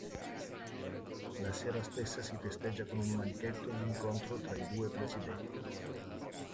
La sera stessa si festeggia con un banchetto l'incontro tra i due presidenti.